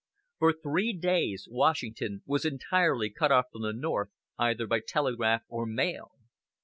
For three days Washington was entirely cut off from the North, either by telegraph or mail.